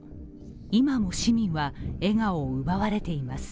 今も市民は笑顔を奪われています。